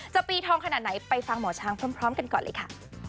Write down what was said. ปีทองขนาดไหนไปฟังหมอช้างพร้อมกันก่อนเลยค่ะ